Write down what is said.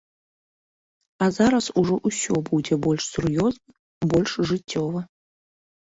А зараз ужо ўсё будзе больш сур'ёзна, больш жыццёва.